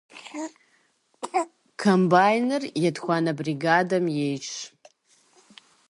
Комбайныр етхуанэ бригадэм ейщ.